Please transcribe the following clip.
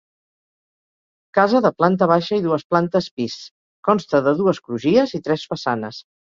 Casa de planta baixa i dues plantes pis, consta de dues crugies i tres façanes.